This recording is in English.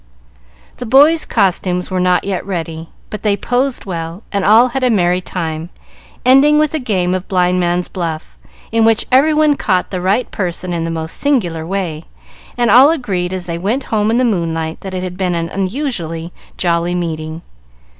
The boys' costumes were not yet ready, but they posed well, and all had a merry time, ending with a game of blind man's buff, in which every one caught the right person in the most singular way, and all agreed as they went home in the moonlight that it had been an unusually jolly meeting.